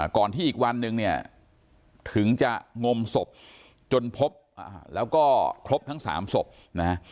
ก่อนที่อีกวันนึงเนี่ยถึงจะงมศพจนพบแล้วก็ครบทั้ง๓ศพนะฮะ